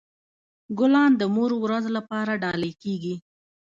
ګلان د مور ورځ لپاره ډالۍ کیږي.